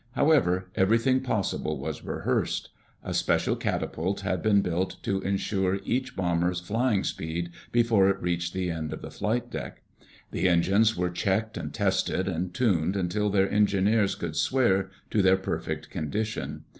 However, everything possible was rehearsed. A special catapult had been built to insure each bomber flying speed before it reached the end of the flight deck. The engines were checked and tested and tuned until their engineers could swear to their perfect condition.